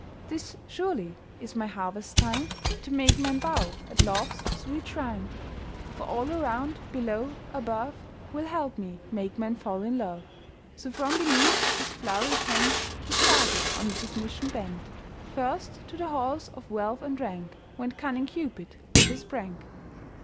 "This surely is my harvest time, To make men bow at Love's sweet shrine; For all around, below, above, Will help me make men fall in love." So from beneath his flow'ry tent He started on this mission bent. First to the halls of wealth and rank Went cunning Cupid with his prank.